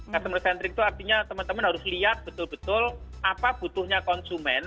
customer centric itu artinya teman teman harus lihat betul betul apa butuhnya konsumen